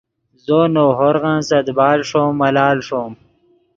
زو نؤ ہورغن سے دیبال ݰوم ملال ݰوم